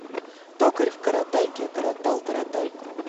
Токарь в коротайке окоротал таратайку.